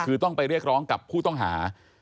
คือต้องไปเรียกร้องกับผู้ต้องหา